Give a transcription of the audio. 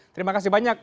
terima kasih banyak